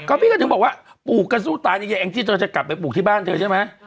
ก็พี่ก็ถึงบอกว่าปลูกกระสู้ตายนี่ยายแองจี้เธอจะกลับไปปลูกที่บ้านเธอใช่ไหม